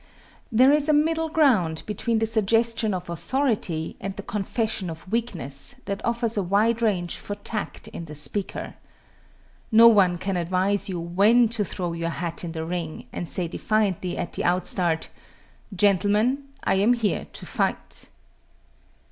There is a middle ground between the suggestion of authority and the confession of weakness that offers a wide range for tact in the speaker. No one can advise you when to throw your "hat in the ring" and say defiantly at the outstart, "Gentlemen, I am here to fight!"